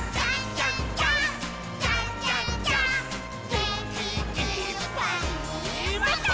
「げんきいっぱいもっと」